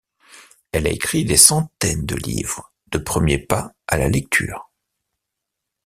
Elle a écrit des centaines de livres de premiers pas à la lecture.